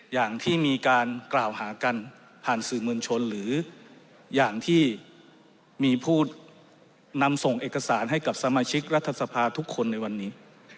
อย่างที่มีการกล่าวหากันผ่านสื่อมวลชนหรืออย่างที่มีผู้นำส่งเอกสารให้กับสมาชิกรัฐสภาทุกคนในวันนี้